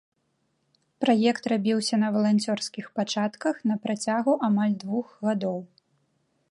Праект рабіўся на валанцёрскіх пачатках на працягу амаль двух гадоў.